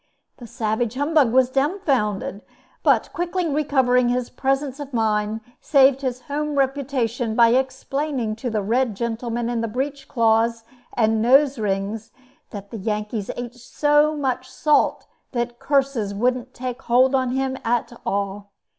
The savage humbug was dumbfounded, but quickly recovering his presence of mind, saved his home reputation by explaining to the red gentlemen in breech cloths and nose rings, that the Yankee ate so much salt that curses wouldn't take hold on him at all.